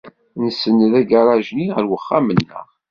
Nsenned agaṛaj-nni ɣer wexxam-nneɣ.